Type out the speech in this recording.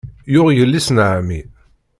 Yuɣ yelli-s n ɛemmi.